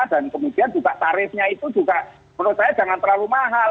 dan kemudian juga tarifnya itu juga menurut saya jangan terlalu mahal